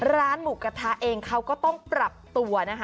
ร้านหมูกระทะเองเขาก็ต้องปรับตัวนะคะ